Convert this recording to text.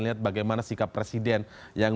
lihat bagaimana sikap presiden yang